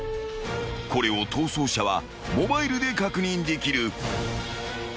［これを逃走者はモバイルで確認できる］